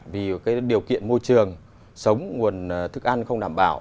vì cái điều kiện môi trường sống nguồn thức ăn không đảm bảo